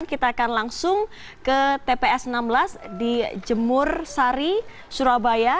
kita akan langsung ke tps enam belas di jemur sari surabaya